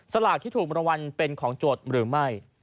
สลากที่ถูกมรวรรณเป็นของโจทย์หรือไม่